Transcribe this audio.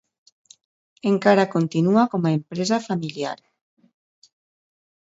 Encara continua com a empresa familiar.